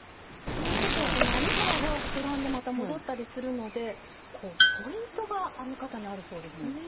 ということはこの編み幅が膨らんでまた戻ったりするのでこうポイントが編み方にあるそうですね。